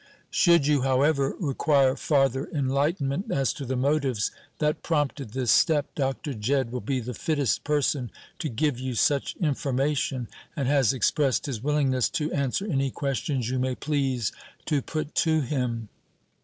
"Should you, however, require farther enlightenment as to the motives that prompted this step, Dr. Jedd will be the fittest person to give you such information; and has expressed his willingness to answer any questions you may please to put to him.